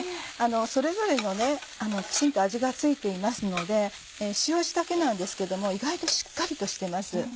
それぞれのきちんと味が付いていますので塩味だけなんですけれども意外としっかりとしてます。